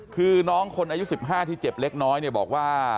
คือน้องคนอายุ๑๕ที่เจ็บเล็กน้อยเนี่ยบอกว่า